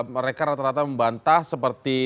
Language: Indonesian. mereka rata rata membantah seperti